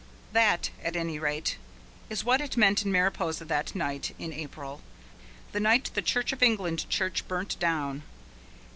That, at any rate, is what it meant in Mariposa that night in April, the night the Church of England Church burnt down.